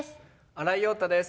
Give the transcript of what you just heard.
新井庸太です。